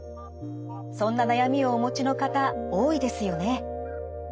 そんな悩みをお持ちの方多いですよね。